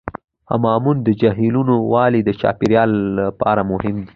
هامون جهیلونه ولې د چاپیریال لپاره مهم دي؟